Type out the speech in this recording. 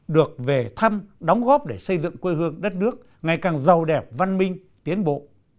được về thăm đóng góp để xây dựng quê hương đất nước ngày càng giàu đẹp văn minh tiến bộ